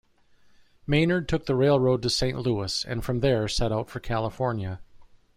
Maynard took the railroad to Saint Louis, and from there set out for California.